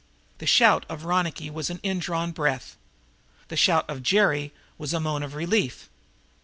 The shout of Ronicky was an indrawn breath. The shout of Jerry Smith was a moan of relief.